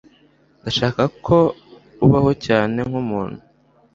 Ndashaka ko ubaho cyane nkumuntu.